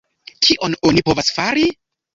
Kion oni povas fari?